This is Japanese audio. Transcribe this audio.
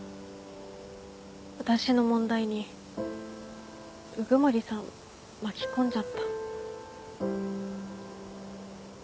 私の問題に鵜久森さん巻き込んじゃった。